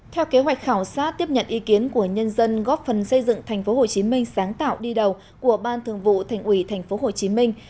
theo kế hoạch khảo sát tiếp nhận ý kiến của nhân dân góp phần xây dựng thành phố hồ chí minh sáng tạo đi đầu của ban thường vụ thành ủy thành phố hồ chí minh